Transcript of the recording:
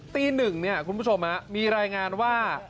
ตีหนึ่งนี่คุณผู้ชมมีรายงานว่า